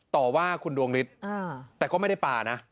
ต่อว่าคุณดวงฤทธิ์แต่ก็ไม่ได้ป่านะ